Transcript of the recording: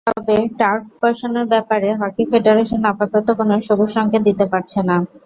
তবে টার্ফ বসানোর ব্যাপারে হকি ফেডারেশন আপাতত কোনো সবুজসংকেত দিতে পারছে না।